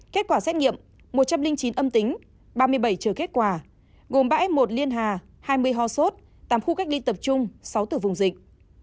kết quả xét nghiệm một trăm linh chín âm tính ba mươi bảy chờ kết quả gồm bãi s một liên hà hai mươi ho sốt tám khu cách ly tập trung sáu từ vùng dịch